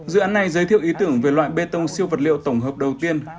dự án này giới thiệu ý tưởng về loại bê tông siêu vật liệu tổng hợp đầu tiên